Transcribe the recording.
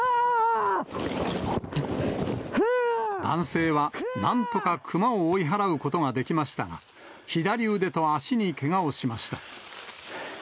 男性はなんとかクマを追い払うことができましたが、左腕と脚にけがをしました。